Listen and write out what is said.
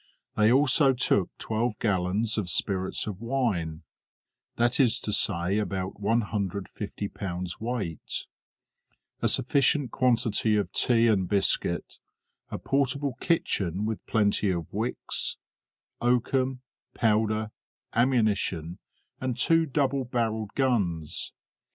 They also took twelve gallons of spirits of wine that is to say, about one hundred fifty pounds weight a sufficient quantity of tea and biscuit, a portable kitchen with plenty of wicks, oakum, powder, ammunition, and two double barrelled guns.